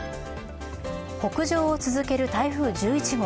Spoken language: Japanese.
北上を続ける台風１１号。